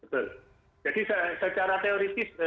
betul jadi secara teoritis